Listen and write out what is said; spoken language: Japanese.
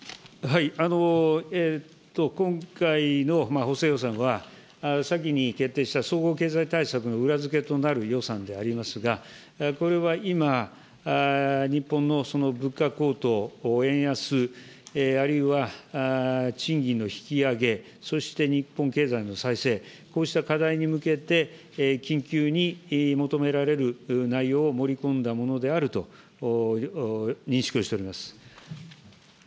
今回の補正予算は、先に決定した総合経済対策の裏付けとなる予算でありますが、これは今、日本の物価高騰、円安、あるいは賃金の引き上げ、そして日本経済の再生、こうした課題に向けて緊急に求められる内容を盛り込んだものであると認識をしております。